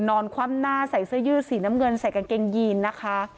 คว่ำหน้าใส่เสื้อยืดสีน้ำเงินใส่กางเกงยีนนะคะ